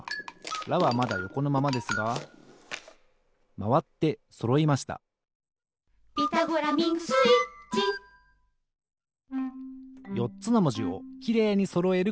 「ラ」はまだよこのままですがまわってそろいました「ピタゴラミングスイッチ」よっつのもじをきれいにそろえる